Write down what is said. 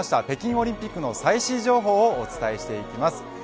北京オリンピックの最新情報をお伝えしていきます。